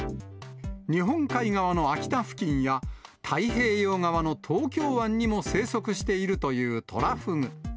日本海側の秋田付近や、太平洋側の東京湾にも生息しているというトラフグ。